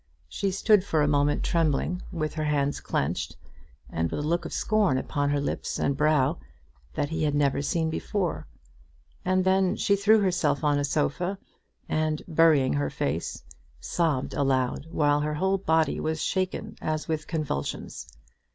She stood for a moment trembling, with her hands clenched, and with a look of scorn upon her lips and brow that he had never seen before; and then she threw herself on a sofa, and, burying her face, sobbed aloud, while her whole body was shaken as with convulsions.